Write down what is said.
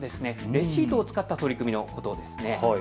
レシートを使った取り組みのことです。